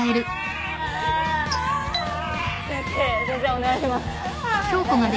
お願いします。